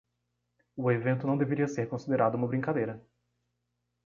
O evento não deveria ser considerado uma brincadeira.